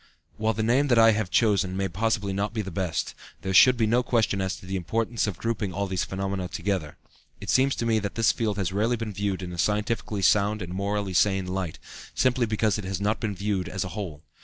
While the name that I have chosen may possibly not be the best, there should be no question as to the importance of grouping all these phenomena together. It seems to me that this field has rarely been viewed in a scientifically sound and morally sane light, simply because it has not been viewed as a whole.